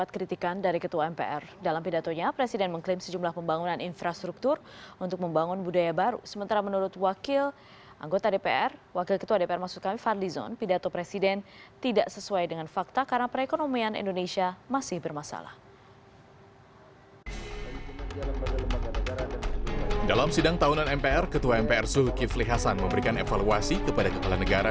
ketua mpr zulkifli hasan memberikan evaluasi kepada kepala negara